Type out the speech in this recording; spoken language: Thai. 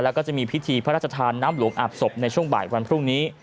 แล้วก็จะมีพิธีพระราชทานน้ำหลวงอาบศพในช่วงบ่ายวันพรุ่งนี้